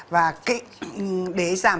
và để giảm